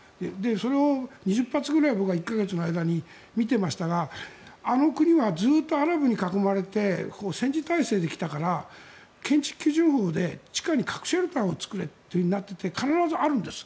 それを２０発ぐらい僕は１か月の間に見てましたがあの国はずっとアラブに囲われて戦時体制できたから建築基準法で地下に核シェルターを作れってなっていて必ずあるんです。